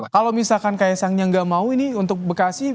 kalau misalkan ksang yang gak mau ini untuk bekasi